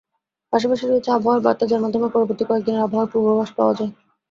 পাশাপাশি রয়েছে আবহাওয়া বার্তা, যার মাধ্যমে পরবর্তী কয়েকদিনের আবহাওয়া পূর্বাভাস পাওয়া যাবে।